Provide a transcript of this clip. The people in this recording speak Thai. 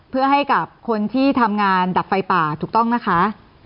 เพื่อให้กับคนที่ทำงานดับไฟป่าถูกต้องนะคะ